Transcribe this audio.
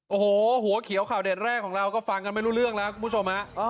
โอ้โหหัวเขียวข่าวเด็ดแรกของเราก็ฟังกันไม่รู้เรื่องแล้วคุณผู้ชมฮะ